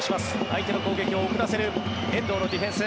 相手の攻撃を遅らせる遠藤のディフェンス。